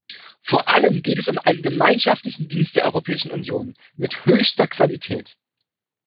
Vor allem geht es um einen gemeinschaftlichen Dienst der Europäischen Union mit höchster Qualität.